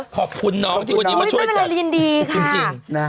ขอบคุณน้องที่วันนี้มาช่วยไม่มีอะไรเย็นดีค่ะ